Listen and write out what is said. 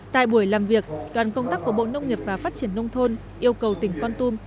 tại buổi làm việc đoàn công tác của bộ nông nghiệp và phát triển nông thôn yêu cầu tỉnh con tum